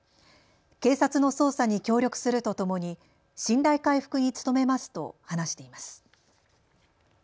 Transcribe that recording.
警察の捜査に協力するとともに信頼回復に努めますと話しています。